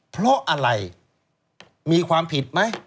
เพราะอะไรมีความผิดไหม